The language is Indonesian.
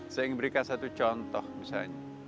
saya ingin berikan satu contoh misalnya